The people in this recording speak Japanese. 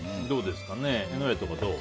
江上とかどう？